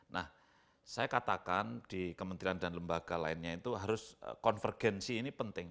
nah saya katakan di kementerian dan lembaga lainnya itu harus konvergensi ini penting